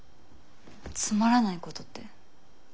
つまらないことって？